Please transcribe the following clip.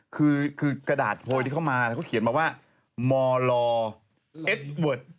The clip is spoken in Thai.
คือกระดาษโพยที่เข้ามาเขาเขียนมาว่ามลเอ็ดเวิร์ด